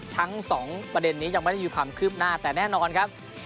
ทั้งสองประเด็นนี้ยังไม่ได้มีความคืบหน้าแต่แน่นอนครับ